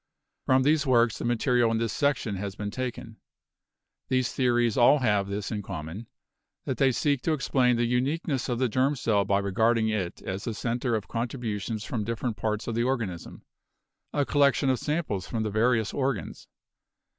From these works the material in this section has been taken. These theories all have this in common, that they seek to ex plain the uniqueness of the germ cell by regarding it as a center of contributions from different parts of the organ ism — a collection of samples from the various organs.